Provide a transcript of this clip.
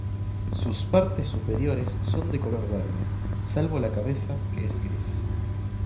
Sus partes superiores son de color verde, salvo la cabeza que es gris.